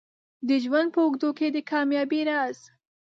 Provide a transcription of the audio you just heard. د ژوند په اوږدو کې د کامیابۍ راز